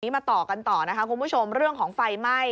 มาต่อกันต่อนะคะคุณผู้ชมเรื่องของไฟไหม้